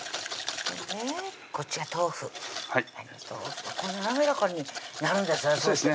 こっちは豆腐はい滑らかになるんですね